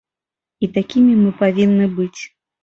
І такімі мы павінны быць.